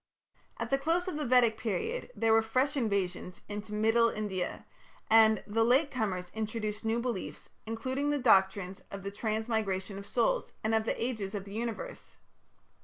At the close of the Vedic period there were fresh invasions into middle India, and the "late comers" introduced new beliefs, including the doctrines of the Transmigration of Souls and of the Ages of the Universe.